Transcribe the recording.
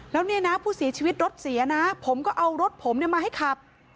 แล้วเนี่ยนะผู้เสียชีวิตรถเสียนะผมก็เอารถผมมาให้ขับ